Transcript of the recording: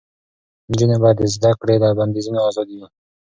نجونې باید د زده کړې له بندیزونو آزادې وي.